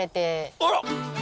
あら！